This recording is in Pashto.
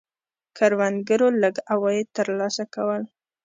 کروندګرو لږ عواید ترلاسه کول.